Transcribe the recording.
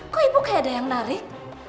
kok ibu kayak ada yang menarik